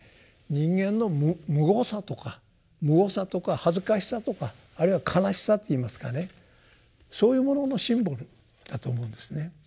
人間のむごさとかむごさとか恥ずかしさとかあるいは悲しさっていいますかねそういうもののシンボルだと思うんですね。